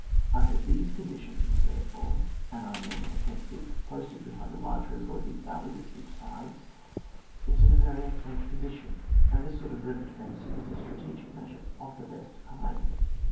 Under these conditions, therefore, an army on the defensive, posted behind a large river or deep valley with steep sides, is in a very excellent position, and this sort of river defence is a strategic measure of the best kind.